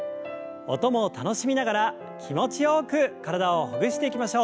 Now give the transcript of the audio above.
音も楽しみながら気持ちよく体をほぐしていきましょう。